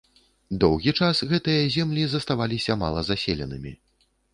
Доўгі час гэтыя землі заставаліся малазаселенымі.